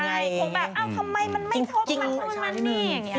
คงแบบทำไมมันไม่โทษมันนี่อย่างนี้